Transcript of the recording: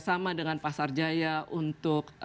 sama dengan pasar jaya untuk